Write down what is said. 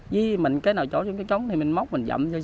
với mình cái nào trốn trong cái trống thì mình móc mình dậm sơ sơ